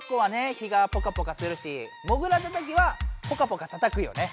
日がポカポカするしもぐらたたきはポカポカたたくよね。